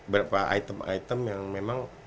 berapa item item yang memang